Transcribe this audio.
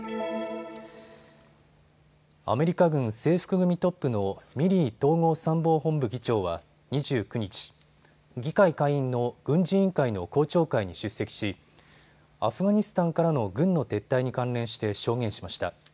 アメリカ軍制服組トップのミリー統合参謀本部議長は２９日、議会下院の軍事委員会の公聴会に出席し、アフガニスタンからの軍の撤退に関連して証言しました。